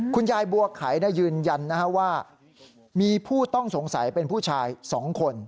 คุณยายบัวไขยืนยันว่ามีผู้ต้องสงสัยเป็นผู้ชาย๒คน